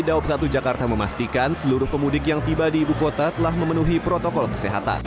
dawab satu jakarta memastikan seluruh pemudik yang tiba di ibu kota telah memenuhi protokol kesehatan